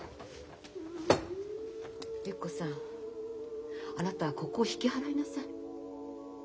ゆき子さんあなたここ引き払いなさい。